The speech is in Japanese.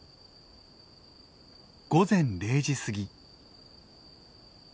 午前０時過ぎ。